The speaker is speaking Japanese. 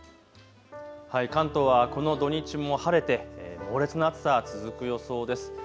関東はこの土日も晴れて猛烈な暑さ、続く予想です。